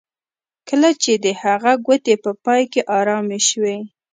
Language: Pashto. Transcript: کله چې د هغه ګوتې په پای کې ارامې شوې